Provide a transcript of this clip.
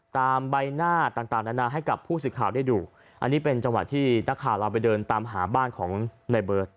ใบหน้าต่างนานาให้กับผู้สื่อข่าวได้ดูอันนี้เป็นจังหวะที่นักข่าวเราไปเดินตามหาบ้านของในเบิร์ต